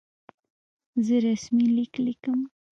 زه رسمي لیک لیکم.